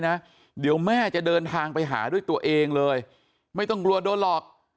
นะเดี๋ยวแม่จะเดินทางไปหาด้วยตัวเองเลยไม่ต้องกลัวโดนหลอก